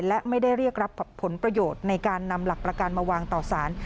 และไม่ได้เรียกรับผลประโยชน์ในการนำหลักประกันมาวางต่อสาร